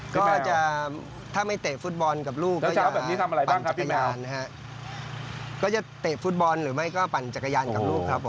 ก็จะถ้าไม่เตะฟุตบอลกับลูกก็จะปั่นจักรยานนะครับ